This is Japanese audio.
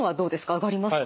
上がりますか。